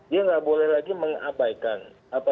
dia tidak boleh lagi mengikatnya